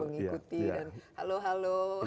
mengikuti dan halo halo